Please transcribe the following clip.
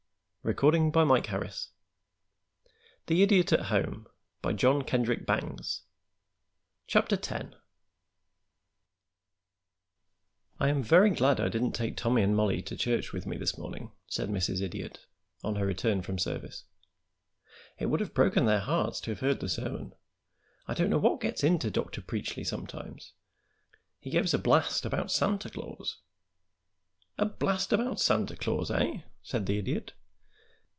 "Richard," said Mrs. Dawkins, as they drove home, "did you get a receipt?" X AS TO SANTA CLAUS "I am very glad I didn't take Tommy and Mollie to church with me this morning," said Mrs. Idiot, on her return from service. "It would have broken their hearts to have heard the sermon. I don't know what gets into Dr. Preachly sometimes. He gave us a blast about Santa Claus." "A blast about Santa Claus, eh!" said the Idiot.